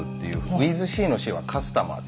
ｗｉｔｈＣのＣはカスタマー。